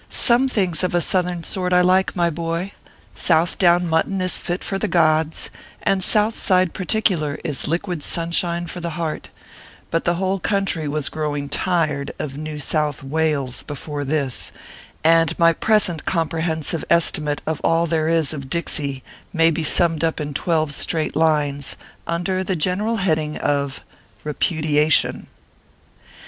Some things of a Southern sort I like, my boy ; Southdown mutton is fit for the gods, and Southside particular is liquid sunshine for the heart ; but the whole coun try was growing tired of new South wails before this, and my present comprehensive estimate of all there is of Dixie may be summed up in twelve straight lines, under the general heading of REPUDIATION.